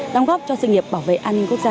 đóng góp cho sự nghiệp bảo vệ an ninh quốc gia